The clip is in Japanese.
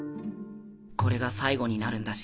これが最後になるんだし。